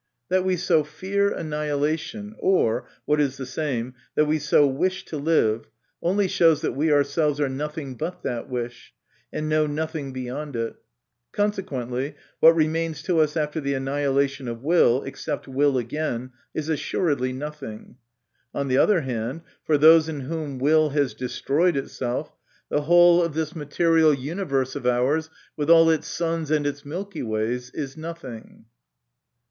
That we so fear annihilation, or, what is the same, that we so wish to live, only shows that we ourselves are nothing but that wish, and know nothing beyond it Consequently, what remains to us after the annihilation of will, except will again, is assuredly nothing ; on the other hand, for those in whom will has destroyed itself, the whole of this material MY CONFESSION. 57 universe of ours, with all its suns and its milky ways is nothing."